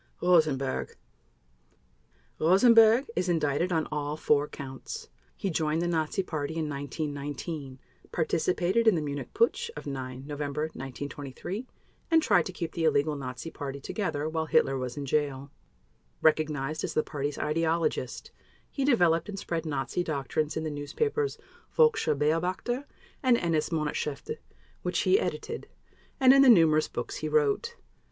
ROSENBERG Rosenberg is indicted on all four Counts. He joined the Nazi Party in 1919, participated in the Munich Putsch of 9 November 1923, and tried to keep the illegal Nazi Party together while Hitler was in jail. Recognized as the Party's ideologist, he developed and spread Nazi doctrines in the newspapers Völkischer Beobachter and NS Monatshefte, which he edited, and in the numerous books he wrote.